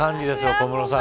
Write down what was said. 小室さん。